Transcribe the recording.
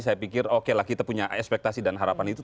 saya pikir okelah kita punya ekspektasi dan harapan itu